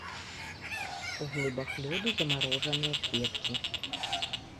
У глыбах лёду замарожаныя кветкі.